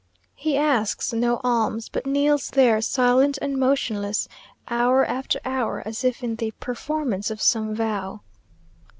He asks no alms, but kneels there silent and motionless, hour after hour, as if in the performance of some vow....